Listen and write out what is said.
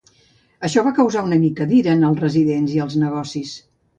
Això va causar una mica d'ira en els residents i els negocis.